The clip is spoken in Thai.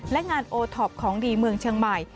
และงานโอท็อปของดีเมืองเชียงใหม่